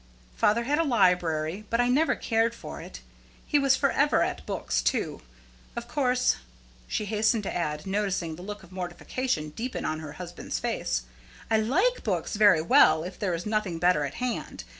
Father had a library, but I never cared for it. He was forever at books too. Of course," she hastened to add, noticing the look of mortification deepen on her husband's face, "I like books very well if there is nothing better at hand.